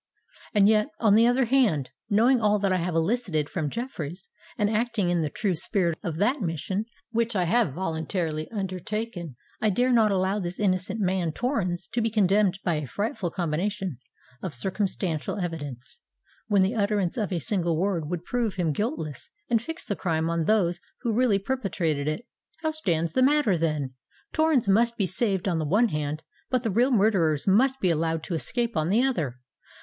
And yet, on the other hand, knowing all that I have elicited from Jeffreys, and acting in the true spirit of that mission which I have voluntarily undertaken, I dare not allow this innocent man Torrens to be condemned by a frightful combination of circumstantial evidence, when the utterance of a single word will prove him guiltless and fix the crime on those who really perpetrated it. How stands the matter, then? Torrens must be saved on the one hand; but the real murderers must be allowed to escape on the other!